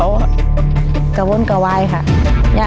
ลองกันถามอีกหลายเด้อ